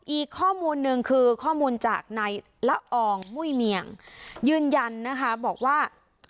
อีกข้อมูลหนึ่งคือข้อมูลจากนายละอองมุ้ยเมียงยืนยันนะคะบอกว่า